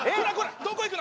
どこ行くの！